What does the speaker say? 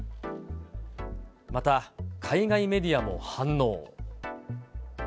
また、海外メディアも反応。